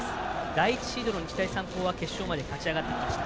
第１シードの日大三高は決勝まで勝ち上がってきました。